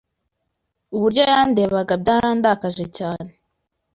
Uburyo yandebaga byarandakaje cyane